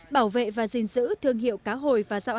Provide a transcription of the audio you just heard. bảo vệ và giữ thương hiệu cá hồi